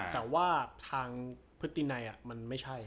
แต่ว่าทางพฤตินัยมันไม่ใช่